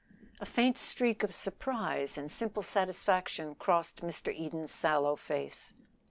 A faint streak of surprise and simple satisfaction crossed Mr. Eden's sallow face.